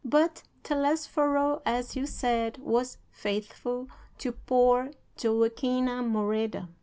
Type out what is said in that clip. But Telesforo, as you said, was faithful to poor Joaquina Moreda.